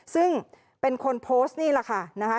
ซึ่งเป็นคนโพสต์นี่แหละค่ะนะคะ